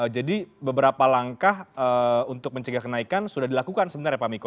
jadi beberapa langkah untuk mencegah kenaikan sudah dilakukan sebenarnya pak miko